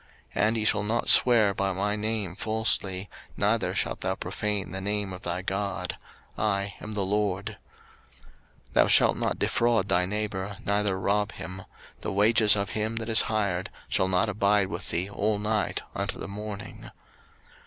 03:019:012 And ye shall not swear by my name falsely, neither shalt thou profane the name of thy God: I am the LORD. 03:019:013 Thou shalt not defraud thy neighbour, neither rob him: the wages of him that is hired shall not abide with thee all night until the morning.